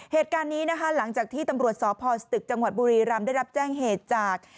เหตุการณ์นี้นะคะหลังจากที่ตำรวจสพสตึกจังหวัดบุรีรำได้รับแจ้งเหตุจาก